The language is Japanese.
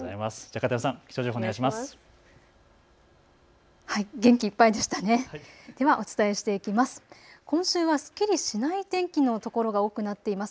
片山さん、気象情報お願いします。